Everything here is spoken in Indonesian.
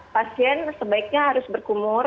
pasien sebaiknya harus berkumur